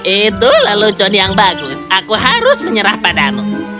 itulah lucu yang bagus aku harus menyerah padamu